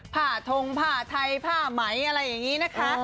ผ้าทงผ้าไทยผ้าไหมอะไรอย่างนี้นะคะ